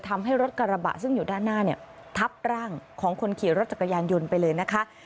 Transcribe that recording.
ทำให้รถกระบะซึ่งอยู่ด้านหน้าเนี่ยทับร่างของคนขี่รถจักรยานยนต์ไปเลยนะคะ